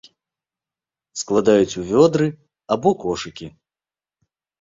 Складаюць у вёдры або кошыкі.